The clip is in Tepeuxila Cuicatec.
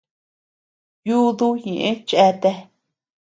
Yudú ñeʼë cheatea.